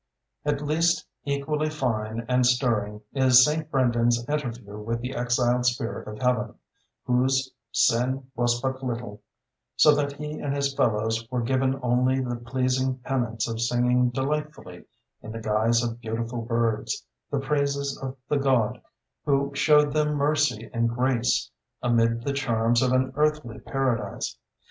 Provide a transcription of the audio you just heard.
At least equally fine and stirring is St. Brendan's interview with the exiled spirit of Heaven, whose "sin was but little", so that he and his fellows were given only the pleasing penance of singing delightfully, in the guise of beautiful birds, the praises of the God who showed them mercy and grace, amid the charms of an earthly paradise.